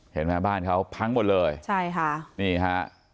เห็นไหมบ้านเขาพังหมดเลยใช่ค่ะนี่ฮะ